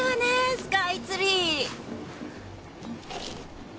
スカイツリー。